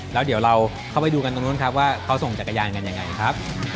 แล้วเดี๋ยวเราเข้าไปดูกันตรงนู้นครับว่าเขาส่งจักรยานกันยังไงครับ